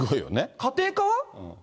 家庭科は？